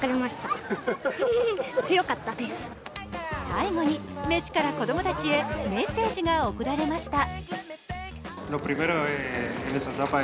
最後にメッシから子供たちへメッセージが贈られました。